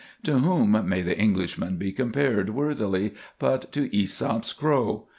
To whom may the Englishman be compared worthily, but to Esop's crow?